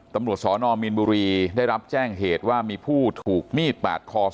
ตำรวจสนมีนบุรีได้รับแจ้งเหตุว่ามีผู้ถูกมีดปาดคอ